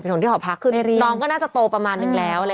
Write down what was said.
ส่งที่หอพักคือน้องก็น่าจะโตประมาณนึงแล้ว